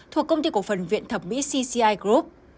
thuộc công ty cổ phần viện thẩm mỹ cci group